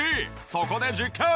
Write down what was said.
そこで実験！